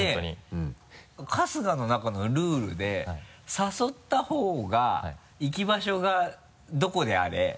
で春日の中のルールで誘った方が行き場所がどこであれ。